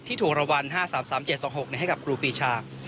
ที่ถูกรวรรณ๕๓๓๗๒๖ให้กับครูปีชา